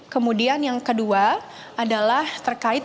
kemudian yang kedua adalah terkait